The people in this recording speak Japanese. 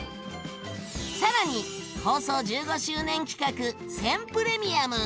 さらに放送１５周年企画「選プレミアム」！